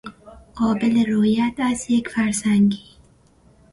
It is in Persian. قابل رویت از یک فرسنگی